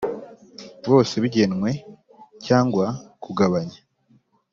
bose bigenwe cyangwa kugabanya